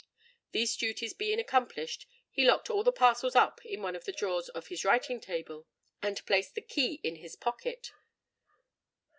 These duties being accomplished, he locked all the parcels up in one of the drawers of his writing table, and placed the key in his pocket.